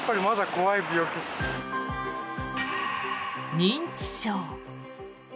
認知症。